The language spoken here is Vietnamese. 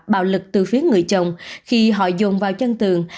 bạo lực từ phía người chồng khi họ dồn vào chân tường